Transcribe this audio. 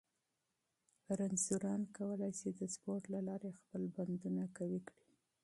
ناروغان کولی شي د سپورت له لارې خپل بندونه قوي کړي.